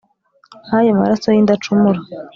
Nk'ayo maraso y'indacumura